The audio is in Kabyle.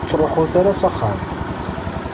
Ur ttruḥut ara s axxam.